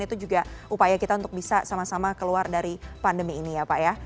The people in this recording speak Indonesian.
itu juga upaya kita untuk bisa sama sama keluar dari pandemi ini ya pak ya